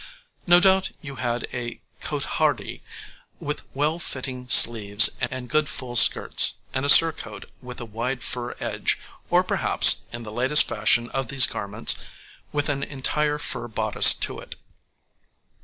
No doubt you had a cotehardie with well fitting sleeves and good full skirts, and a surcoat with a wide fur edge, or perhaps, in the latest fashion of these garments, with an entire fur bodice to it.